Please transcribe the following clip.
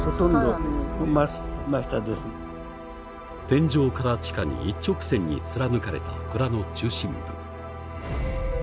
天井から地下に一直線に貫かれた蔵の中心部。